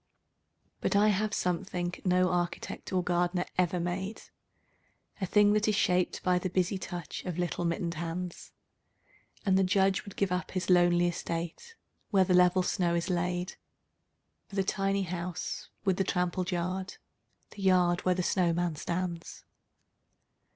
But I have something no architect or gardener ever made, A thing that is shaped by the busy touch of little mittened hands: And the Judge would give up his lonely estate, where the level snow is laid For the tiny house with the trampled yard, the yard where the snowman stands.